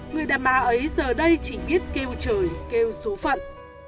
người đàn bà ấy giờ đây chỉ biết kêu trời kêu số phận